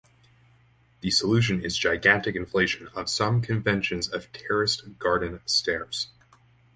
The solution is a gigantic inflation of some conventions of terraced garden stairs.